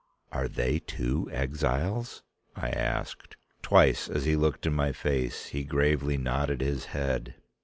"Are they too exiles?" I asked. Twice as he looked in my face he gravely nodded his head.